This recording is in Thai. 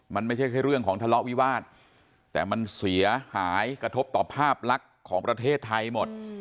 มันไม่ใช่แค่เรื่องของทะเลาะวิวาสแต่มันเสียหายกระทบต่อภาพลักษณ์ของประเทศไทยหมด